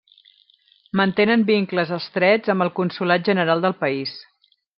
Mantenen vincles estrets amb el Consolat General del país.